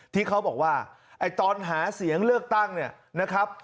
ที่เขาบอกว่าตอนหาเสียงเลือกตั้งเนี่ยนะครับ